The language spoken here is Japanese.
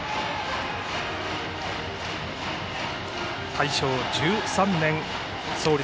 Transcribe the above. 大正１３年創立。